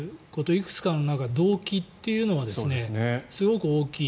いくつかの中で動機というのはすごく大きい。